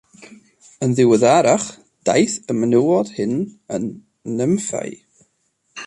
Yn ddiweddarach daeth y menywod hyn yn nymffau.